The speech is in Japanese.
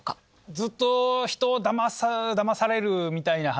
ずっと人をだますだまされるみたいな話。